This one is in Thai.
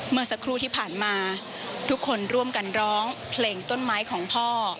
เมื่อสักครู่ที่ผ่านมาทุกคนร่วมกันร้องเพลงต้นไม้ของพ่อ